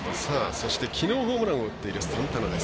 そして、きのうホームランを打っているサンタナです。